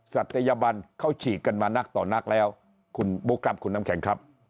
ศัตยบันเขาฉีกกันมานักต่อนักแล้วคุณบุ๊คครับคุณน้ำแข็งครับ